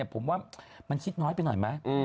ผมว่ามันคิดน้อยไปหน่อยไหม